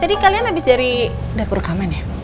tadi kalian habis dari dapur kamen ya